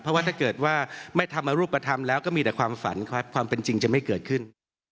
เพราะว่าถ้าเกิดว่าไม่ทำรูปธรรมแล้วก็มีแต่ความฝันครับความเป็นจริงจะไม่เกิดขึ้น